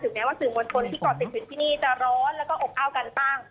ถึงแม้ว่าถึงวันฝนที่ก่อนเสร็จถึงที่นี่จะร้อนแล้วก็อบอ้าวกันบ้าง